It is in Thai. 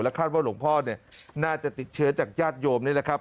คาดว่าหลวงพ่อเนี่ยน่าจะติดเชื้อจากญาติโยมนี่แหละครับ